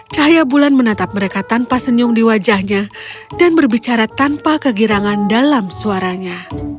cahaya bulan menatap mereka tanpa senyum di wajahnya dan berbicara tanpa kegirangan dalam suaranya